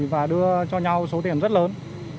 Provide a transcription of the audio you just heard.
và đưa cho nhau số tiền rất lớn